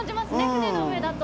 船の上だと。